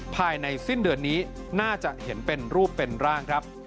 ภายในสิ้นเดือนนี้น่าจะเห็นเป็นรูปเป็นร่างครับ